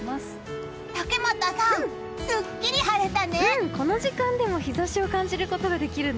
竹俣さん、すっきり晴れたね！